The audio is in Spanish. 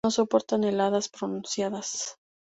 No soportan heladas pronunciadas.